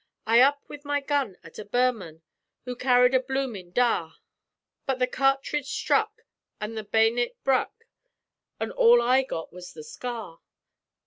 I up with my gun at a Burman Who carried a bloomin' dah, But the cartridge stuck an' the bay'nit bruk An' all I got was the scar.